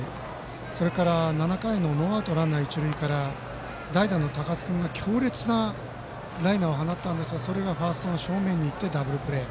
それから、７回のノーアウトランナー、一塁から代打の高須君が強烈なライナーを放ちましたがそれがファーストの正面に行ってダブルプレー。